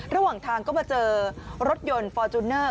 ระหว่างทางก็มาเจอรถยนต์ฟอร์จูเนอร์